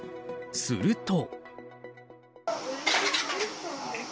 すると。